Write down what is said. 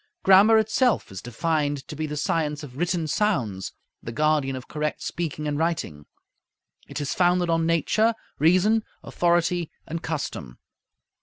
Grammar itself is defined to be "the science of written sounds, the guardian of correct speaking and writing. It is founded on nature, reason, authority, and custom."